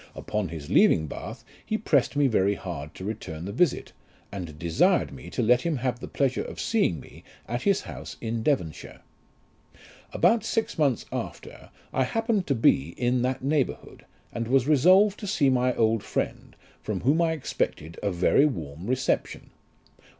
Upon his leaving Bath, he pressed me very hard to return the visit, and desired me to let him have the pleasure of seeing me at his house in Devonshire. About six months after, I happened to be in that neighbourhood, and was resolved to see my old friend, from whom I expected a very warm reception.